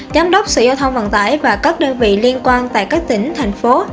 giám đốc sở giao thông vận tải và các đơn vị liên quan tại các tỉnh thành phố